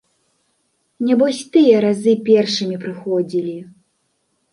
Нябось тыя разы першымі прыходзілі.